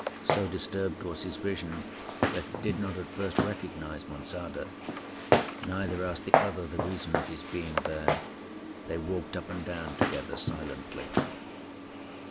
So disturbed was his vision, that he did not at first recognize Monçada. Neither asked the other the reason of his being there—they walked up and down together silently.